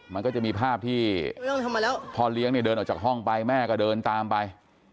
มันก็จะมีภาพที่พ่อเลี้ยงเนี่ยเดินออกจากห้องไปแม่ก็เดินตามไป